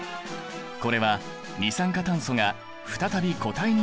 これは二酸化炭素が再び固体になったもの。